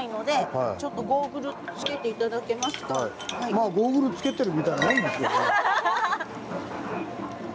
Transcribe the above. まあゴーグルつけてるみたいなもんですけどね。